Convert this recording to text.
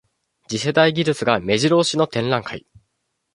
次世代技術がめじろ押しの展覧会